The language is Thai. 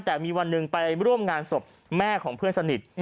แต่มีวันหนึ่งไปร่วมงานศพแม่ของเพื่อนสนิท